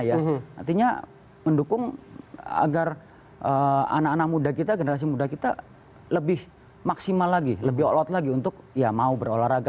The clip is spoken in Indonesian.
artinya mendukung agar anak anak muda kita generasi muda kita lebih maksimal lagi lebih olot lagi untuk ya mau berolahraga